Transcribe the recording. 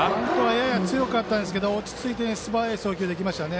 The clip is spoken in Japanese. やや強かったですが落ち着いて素早い送球ができましたね。